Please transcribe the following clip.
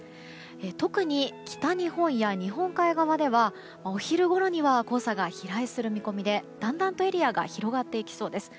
特に北日本や日本海側ではお昼ごろには黄砂が飛来する見込みでだんだんとエリアが広がっていきそうです。